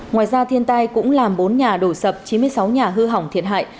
ngoài ra thiên tai cũng làm bốn nhà đổ sập chín mươi sáu nhà hư hỏng thiệt hại